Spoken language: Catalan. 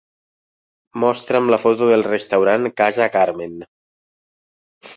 Mostra'm la foto del restaurant Casa Carmen.